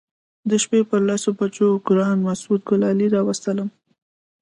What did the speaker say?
د شپې پر لسو بجو ګران مسعود ګلالي راورسولم.